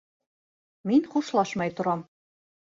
Мин хушлашмай торам.